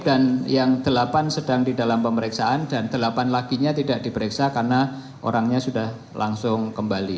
dan yang delapan sedang di dalam pemeriksaan dan delapan lagi tidak diperiksa karena orangnya sudah langsung kembali